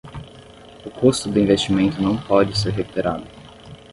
O custo do investimento não pode ser recuperado